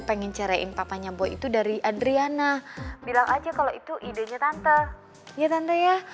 pengen carain papanya boy itu dari adriana bilang aja kalau itu idenya tante ya tante ya